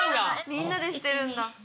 みんなでしてるんだ。